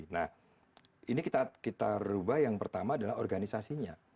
nah ini kita rubah yang pertama adalah organisasinya